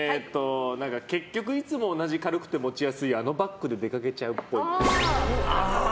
結局いつも同じ軽くて持ちやすいあのバッグで出かけちゃうっぽい。